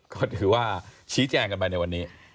ก็ถือว่าชี้แจงกันไปในวันนี้